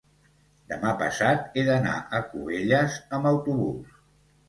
demà passat he d'anar a Cubelles amb autobús.